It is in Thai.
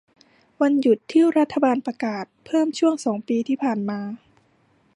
วันหยุดที่รัฐบาลประกาศเพิ่มช่วงสองปีที่ผ่านมา